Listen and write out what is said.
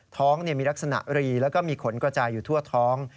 ท้องมีลักษณะรีแล้วก็มีขนกระจายอยู่ทั่วท้อง